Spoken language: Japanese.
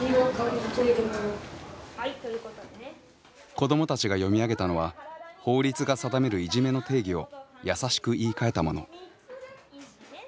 子どもたちが読み上げたのは法律が定めるいじめの定義をやさしく言いかえたもの。